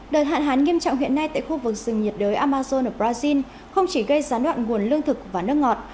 đợt hạn hán nghiêm trọng hiện nay tại khu vực rừng nhiệt đới amazon ở brazil không chỉ gây gián đoạn nguồn lương thực và nước ngọt